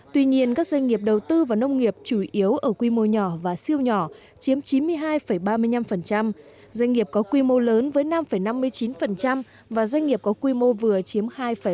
tuy nhiên các doanh nghiệp đầu tư vào nông nghiệp chủ yếu ở quy mô nhỏ và siêu nhỏ chiếm chín mươi hai ba mươi năm doanh nghiệp có quy mô lớn với năm năm mươi chín và doanh nghiệp có quy mô vừa chiếm hai bảy mươi